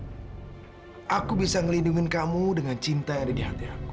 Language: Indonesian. hai aku bisa ngelindungi kamu dengan cinta yang ada di hati aku